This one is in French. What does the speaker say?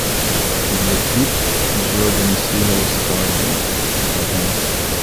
L'équipe joue à domicile au stade de La Garenne.